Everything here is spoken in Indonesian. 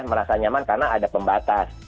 merasa nyaman karena ada pembatas